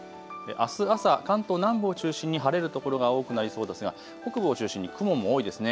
あす朝、関東南部を中心に晴れる所が多くなりそうですが北部を中心に雲も多いですね。